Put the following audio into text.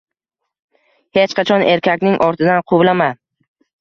Hech qachon erkakning ortidan quvlama